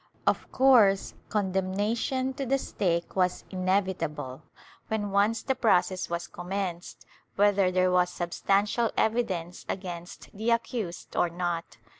^ Of course condemnation to the stake was inevitable, when once the process was commenced, whether there was substantial evi dence against the accused or not.